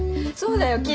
そうだよ